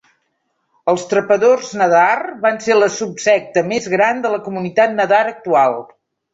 Els trepadors nadar van ser la subsecta més gran de la comunitat nadar actual.